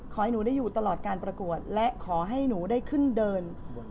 ขอให้หนูได้อยู่ตลอดการประกวดและขอให้หนูได้ขึ้นเดิน